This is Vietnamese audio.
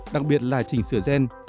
đặc biệt là chỉnh sửa gen